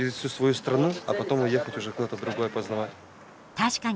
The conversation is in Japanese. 確かに。